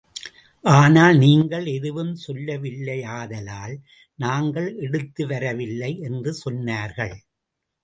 ஆனால் நீங்கள் எதுவும் சொல்லவில்லையாதலால் நாங்கள் எடுத்துவரவில்லை என்று சொன்னார்கள்.